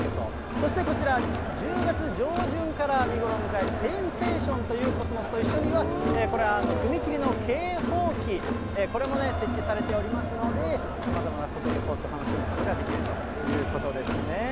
そしてこちら、１０月上旬から見頃を迎えるセンセーションというコスモスと一緒に、これは踏切の警報機、これもね、設置されておりますので、さまざまなフォトスポット、楽しむことができるということですね。